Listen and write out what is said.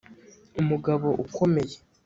umugabo ukomeye